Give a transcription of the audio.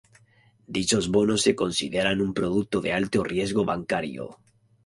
Dichos bonos se consideran un producto de alto riesgo bancario.